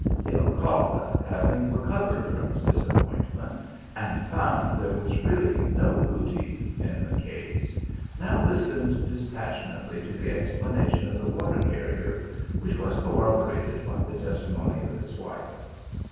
The Alcalde, having recovered from his disappointment and found there was really no booty in the case, now listened dispassionately to the explanation of the water carrier, which was corrob orated by the testimony of his wife.